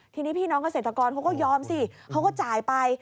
ทีนี้พี่น้องเกษตรกรเขาก็ยอมสิเขาก็จ่ายไป